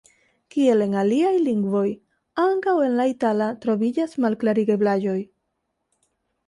Kiel en aliaj lingvoj, ankaŭ en la itala troviĝas malklarigeblaĵoj.